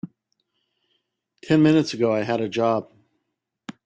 Ten minutes ago I had a job.